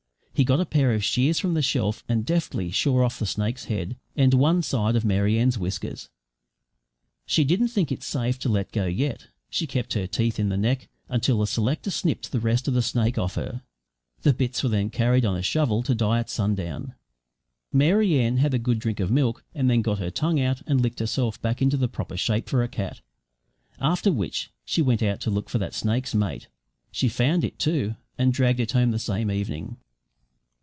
He got a pair of shears from the shelf and deftly shore off the snake's head, and one side of Mary Ann's whiskers. She didn't think it safe to let go yet. She kept her teeth in the neck until the selector snipped the rest of the snake off her. The bits were carried out on a shovel to die at sundown. Mary Ann had a good drink of milk, and then got her tongue out and licked herself back into the proper shape for a cat; after which she went out to look for that snake's mate. She found it, too, and dragged it home the same evening.